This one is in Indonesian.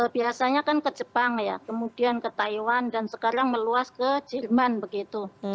biasanya kan ke jepang ya kemudian ke taiwan dan sekarang meluas ke jerman begitu